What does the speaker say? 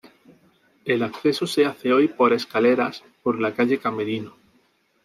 El acceso se hace hoy por escaleras por la calle Camerino.